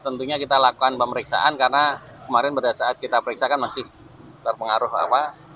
tentunya kita lakukan pemeriksaan karena kemarin pada saat kita periksa kan masih terpengaruh apa